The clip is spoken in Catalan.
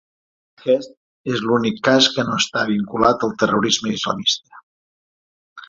Aquest és l’únic cas que no està vinculat al terrorisme islamista.